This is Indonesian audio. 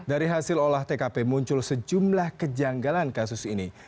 dari hasil olah tkp muncul sejumlah kejanggalan kasus ini